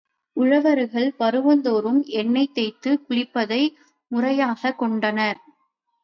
உழவர்கள் பருவந்தோறும் எண்ணெய் தேய்த்துக் குளிப்பதை முறையாகக் கொண்டனர்.